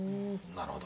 なるほど。